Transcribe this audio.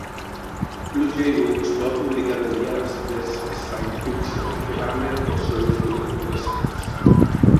Bluejay Books va publicar "The Year's Best Science Fiction" de Gardner Dozois durant tres anys.